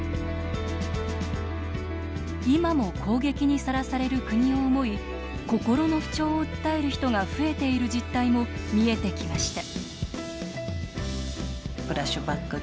今も攻撃にさらされる国を思い心の不調を訴える人が増えている実態も見えてきました